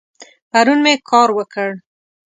پرون می کار وکړ